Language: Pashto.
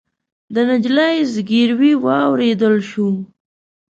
د نجلۍ زګيروی واورېدل شو.